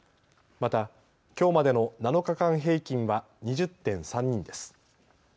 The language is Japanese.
また、きょうまでの７日間平均は２０．３人です。